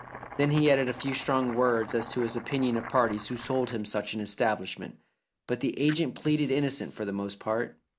Then he added a few strong words as to his opinion of parties who sold him such an establishment. But the agent pleaded innocent for the most part.